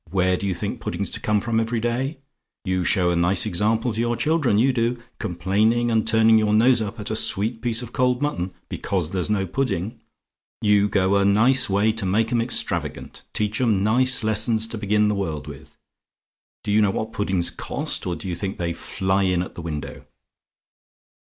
Where do you think pudding's to come from every day? You show a nice example to your children, you do; complaining, and turning your nose up at a sweet piece of cold mutton, because there's no pudding! You go a nice way to make 'em extravagant teach 'em nice lessons to begin the world with. Do you know what puddings cost; or do you think they fly in at the window?